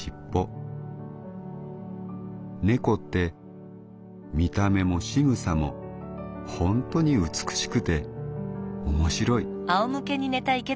猫って見た目もしぐさもほんとに美しくて面白い」。